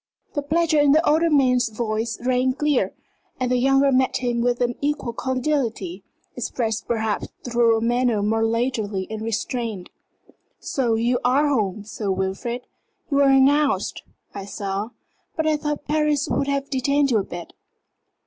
The pleasure in the older man's voice rang clear, and the younger met him with an equal cordiality, expressed perhaps through a manner more leisurely and restrained. "So you are home, Sir Wilfrid? You were announced, I saw. But I thought Paris would have detained you a bit."